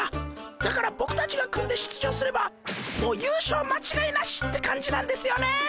だからボクたちが組んで出場すればもう優勝間違いなしって感じなんですよね！